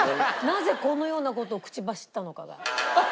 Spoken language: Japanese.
なぜこのような事を口走ったのかが。